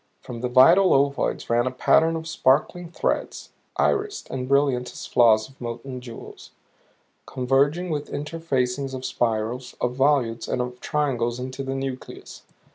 From the vital ovoids ran a pattern of sparkling threads, irised and brilliant as floss of molten jewels; converging with interfacings of spirals, of volutes and of triangles into the nucleus.